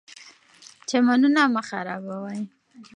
چمنونه مه خرابوئ.